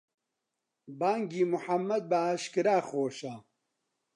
بانگی موحەمەد بە ئاشکرا خۆشە